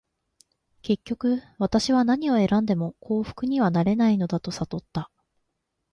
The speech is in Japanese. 結局、私は何を選んでも幸福にはなれないのだと悟った。